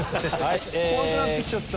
怖くなって来ちゃった。